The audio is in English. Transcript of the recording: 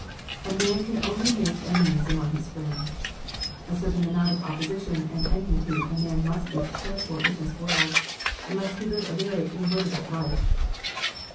A man can only make ene mies among his friends. A certain amount of opposition and enmity a man must be prepared for in this world, unless he live a very invertebrate life.